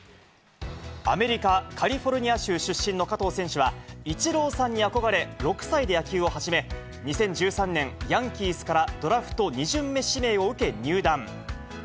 アメリカ・カリフォルニア州出身の加藤選手は、イチローさんに憧れ、６歳で野球を始め、２０１３年、ヤンキースからドラフト２巡目指名を受け、入団。